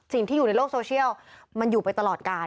อยู่ในโลกโซเชียลมันอยู่ไปตลอดกาล